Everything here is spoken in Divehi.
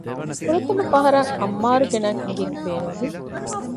ފުރަތަމަ ފަހަރަށް އައްމާރު ގެ ނަން އިނގެން ބޭނުންވި